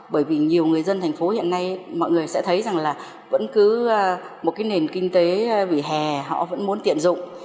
bởi vì nhiều người dân thành phố hiện nay mọi người sẽ thấy rằng là vẫn cứ một cái nền kinh tế vì hè họ vẫn muốn tiện dụng